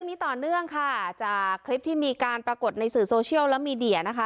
ต่อเนื่องค่ะจากคลิปที่มีการปรากฏในสื่อโซเชียลและมีเดียนะคะ